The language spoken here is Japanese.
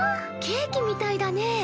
ケーキみたいだね。